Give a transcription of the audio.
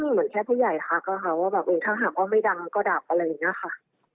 เหมือนแค่ผู้ใหญ่ทักอะค่ะว่าแบบถ้าหากว่าไม่ดังก็ดับอะไรอย่างนี้ค่ะ